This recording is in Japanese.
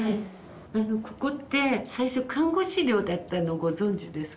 あのここって最初看護師寮だったのご存じですか？